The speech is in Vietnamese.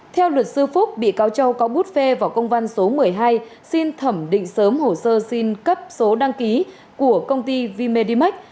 theo luật sư phúc bị cáo châu có bút phê vào công văn số một mươi hai xin thẩm định sớm hồ sơ xin cấp số đăng ký của công ty v medimax